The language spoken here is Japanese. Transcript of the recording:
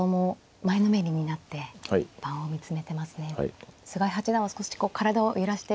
菅井八段は少しこう体を揺らしてるような。